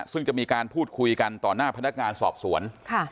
ซึ่งจะมีการพูดคุยกันต่อหน้าพนักงานสอบสวน